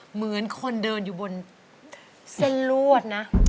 เหมือนคนเดินอยู่บนเส้นลวดนะ